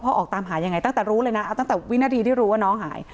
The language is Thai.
ออกตามหายังไงตั้งแต่รู้เลยนะเอาตั้งแต่วินาทีที่รู้ว่าน้องหาย